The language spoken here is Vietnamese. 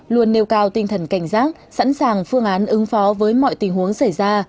luôn nêu cao tinh thần cảnh giác sẵn sàng phương án ứng phó với mọi tình huống xảy ra